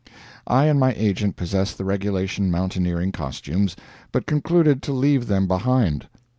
I and my agent possessed the regulation mountaineering costumes, but concluded to leave them behind.